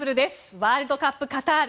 ワールドカップカタール。